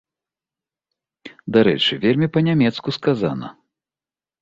Дарэчы, вельмі па-нямецку сказана.